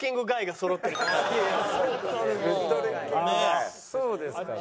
そうですかね？